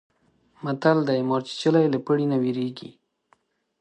متل دی: مار چیچلی له پړي نه وېرېږي.